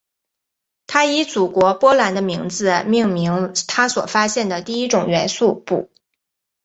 她以祖国波兰的名字命名她所发现的第一种元素钋。